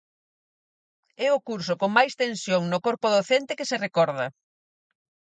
É o curso con máis tensión no corpo docente que se recorda.